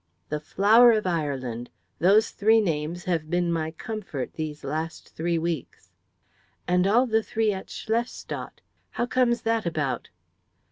"The flower of Ireland. Those three names have been my comfort these last three weeks." "And all the three at Schlestadt. How comes that about?"